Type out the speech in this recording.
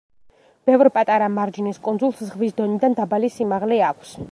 ბევრ პატარა მარჯნის კუნძულს ზღვის დონიდან დაბალი სიმაღლე აქვს.